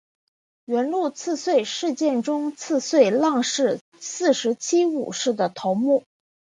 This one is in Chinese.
元禄赤穗事件中赤穗浪士四十七武士的头目。